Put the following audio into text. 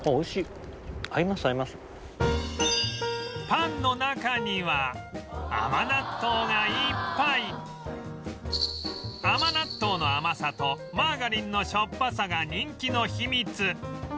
パンの中には甘納豆の甘さとマーガリンのしょっぱさが人気の秘密